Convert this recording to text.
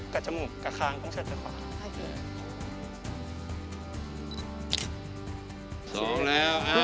กับจมูกกับข้างต้องเชิญเจ้าขวา